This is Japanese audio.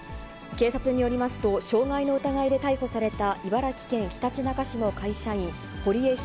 警察によりますと、傷害の疑いで逮捕された茨城県ひたちなか市の会社員、堀江弘